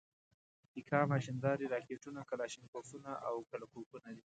پیکا ماشیندارې، راکېټونه، کلاشینکوفونه او کله کوفونه دي.